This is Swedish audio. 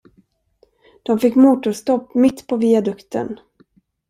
De fick motorstopp mitt på viadukten.